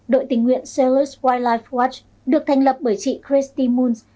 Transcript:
đội tình nguyện celes wildlife watch được thành lập bởi chị christy moons